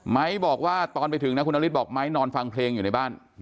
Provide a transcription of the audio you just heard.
บอกว่าตอนไปถึงนะคุณนฤทธิบอกไม้นอนฟังเพลงอยู่ในบ้าน